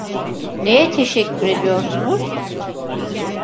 Neye teşekkür ediyorsunuz?